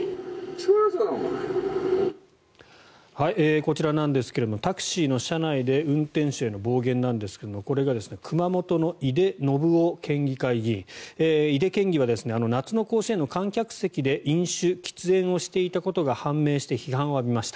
こちらなんですがタクシーの車内で運転手への暴言なんですがこれが熊本の井手順雄県議会議員井手県議は夏の甲子園の観客席で飲酒・喫煙をしていたことが判明して批判を浴びました。